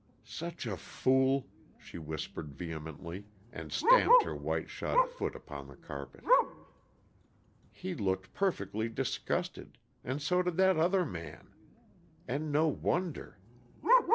"Such a fool!" she whispered vehemently, and stamped her white shod foot upon the carpet. "He looked perfectly disgusted and so did that other man. And no wonder.